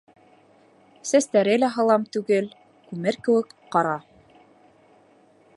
Сәстәре лә һалам түгел, күмер кеүек ҡара.